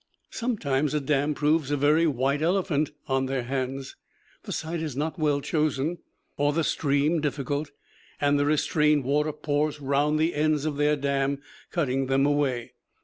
Sometimes a dam proves a very white elephant on their hands. The site is not well chosen, or the stream difficult, and the restrained water pours round the ends of their dam, cutting them away.